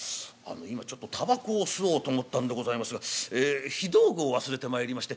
「今ちょっとたばこを吸おうと思ったんでございますが火道具を忘れてまいりまして。